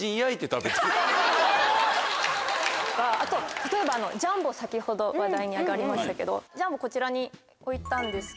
例えばジャンボ先ほど話題に上がりましたけどジャンボこちらに置いたんですけど。